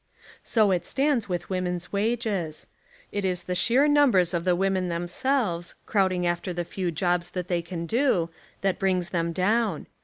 So it stands with women's wages. It is the sheer numbers of the women themselves, crowd ing after the few jobs that they can do, that brings them down.